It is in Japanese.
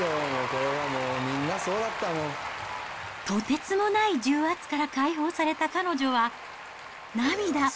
とてつもない重圧から解放された彼女は、涙。